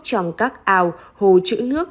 trong các ao hồ chữ nước